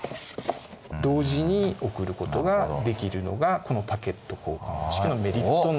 同時に送ることができるのがこのパケット交換方式のメリットになります。